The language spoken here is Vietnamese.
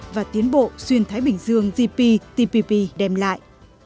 và tiến bộ xuyên thái bình dương gptpp đem lại